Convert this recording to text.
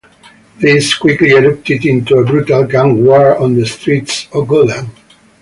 This quickly erupted into a brutal gang war on the streets of Gotham.